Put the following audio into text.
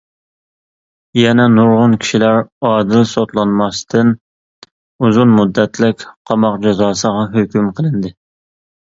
يەنە نۇرغۇن كىشىلەر ئادىل سوتلانماستىن ئۇزۇن مۇددەتلىك قاماق جازاسىغا ھۆكۈم قىلىندى.